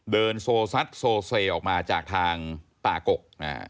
เดินโซซัดโซเซออกมาจากทางป่ากก